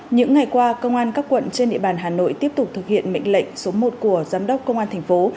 những ngày qua công an các quận trên địa bàn hà nội tiếp tục thực hiện mệnh lệnh số một của giám đốc công an thành phố